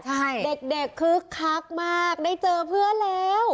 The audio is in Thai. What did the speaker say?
ใช่เด็กคึกคักมากได้เจอเพื่อนแล้ว